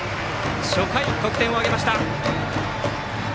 初回に得点を挙げました。